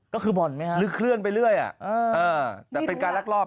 ลื้อเคลื่อนไปเรื่อยแต่เป็นการรักรอบ